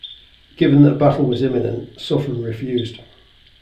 Given that battle was imminent, Suffren refused.